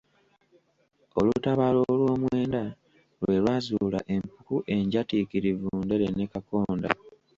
Olutabaalo olw'omwenda lwe lwazuula empuku enjatiikirivu Ndere, ne Kakonda.